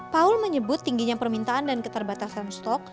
paul menyebut tingginya permintaan dan keterbatasan stok